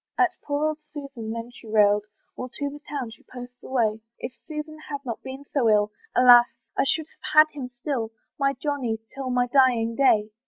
At poor old Susan then she railed, While to the town she posts away; "If Susan had not been so ill, "Alas! I should have had him still, "My Johnny, till my dying day."